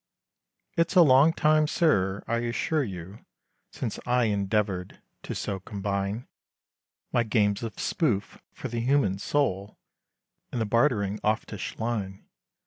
IT'S a long time, Sir, I assure you, since I endeavoured, to so combine, My games of spoof, for the human soul, In the bartering oofftish line.